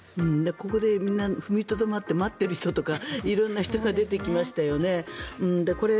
ここで踏みとどまって待っている人とか色んな人が出てきましたよね。